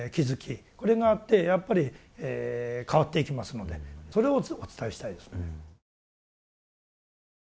これがあってやっぱり変わっていきますのでそれをお伝えしたいですね。